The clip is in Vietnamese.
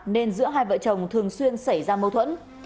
nên giữa hai vợ chồng thường xuyên xảy ra mâu thuẫn